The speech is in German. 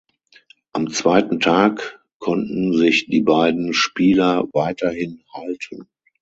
Am zweiten Tag konnten sich die beiden Spieler weiterhin halten.